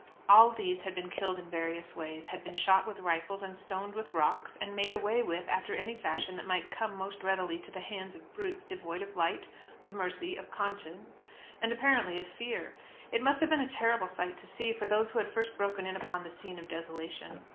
All these had been killed in various ways, had been shot with rifles, and stoned with rocks, and made away with, after any fashion that might come most readily to the hands of brutes devoid of light, of mercy, of conscience, and apparently of fear. It must have been a terrible sight to see, for those who had first broken in upon the scene of desolation.